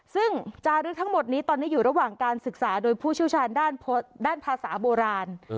ซึ่งจารึกทั้งหมดนี้ตอนนี้อยู่ระหว่างการศึกษาโดยผู้เชี่ยวชาญด้านภาษาโบราณ